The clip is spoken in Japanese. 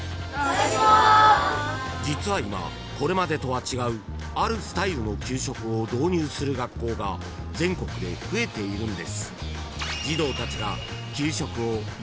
［実は今これまでとは違うあるスタイルの給食を導入する学校が全国で増えているんです］